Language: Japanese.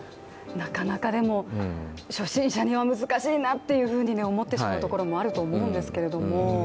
なかなか初心者には難しいなと思ってしまうところもあると思うんですけれども。